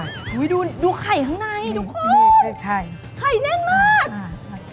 อุ้ยดูไข่ข้างในดูสิไข่แน่นมาก